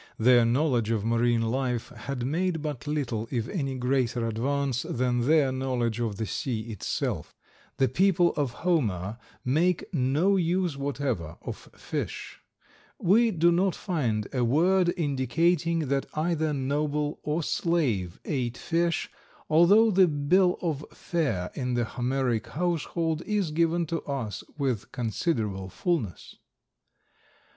Their knowledge of marine life had made but little if any greater advance than their knowledge of the sea itself. The people of Homer make no use whatever of fish. We do not find a word indicating that either noble or slave ate fish, although the bill of fare in the Homeric household is given to us with considerable fullness.